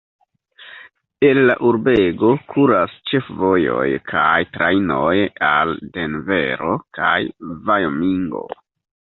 El la urbego kuras ĉefvojoj kaj trajnoj al Denvero kaj Vajomingo.